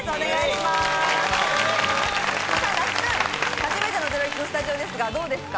初めての『ゼロイチ』のスタジオですがどうですか？